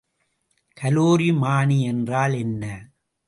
கலோரிமானி என்றால் என்ன?